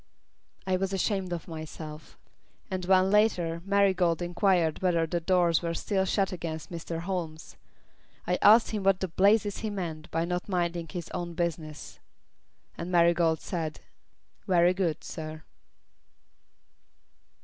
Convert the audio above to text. I was ashamed of myself. And when, later, Marigold enquired whether the doors were still shut against Mr. Holmes, I asked him what the blazes he meant by not minding his own business. And Marigold said: "Very good, sir."